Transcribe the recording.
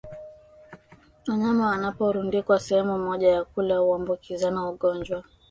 Wanyama wanaporundikwa sehemu moja ya kula huambukizana ugonjwa